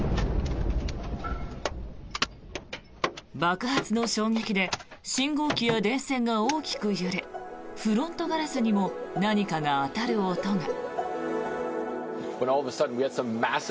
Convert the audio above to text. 爆発の衝撃で信号機や電線が大きく揺れフロントガラスにも何かが当たる音が。